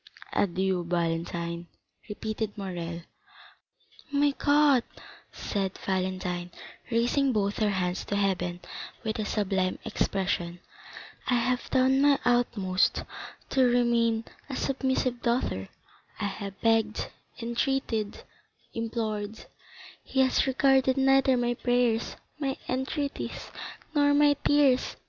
"Adieu, Valentine," repeated Morrel. "My God," said Valentine, raising both her hands to heaven with a sublime expression, "I have done my utmost to remain a submissive daughter; I have begged, entreated, implored; he has regarded neither my prayers, my entreaties, nor my tears.